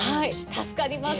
助かります。